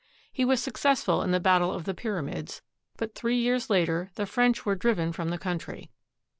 He was successful in the battle of the Pyramids; but three years later, the French were driven from the country.